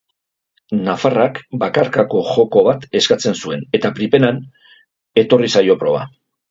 Nafarrak bakarkako joko bat eskatzen zuen, eta primeran etorri zaio proba.